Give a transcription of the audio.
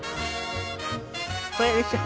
これでしょ？